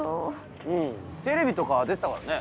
うんテレビとか出てたからね。